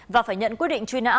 và phải nhận quyết định truy nã